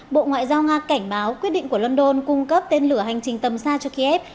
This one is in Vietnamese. bộ ngoại giao nga cảnh báo quyết định của london cung cấp tên lửa hành trình tầm xa cho kiev